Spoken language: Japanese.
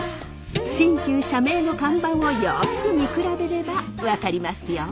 新旧社名の看板をよく見比べれば分かりますよ。